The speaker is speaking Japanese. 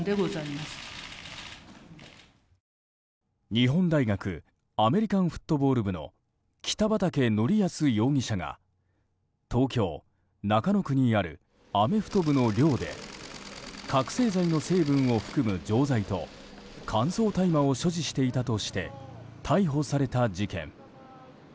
日本大学アメリカンフットボール部の北畠成文容疑者が東京・中野区にあるアメフト部の寮で覚醒剤の成分を含む錠剤と乾燥大麻を所持していたとして逮捕された事件。